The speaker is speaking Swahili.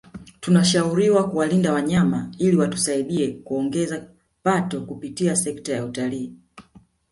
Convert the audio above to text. Tunashauriwa kuwalinda wanyama ili watusaidie kuongeza pato kupitia sekta ya utalii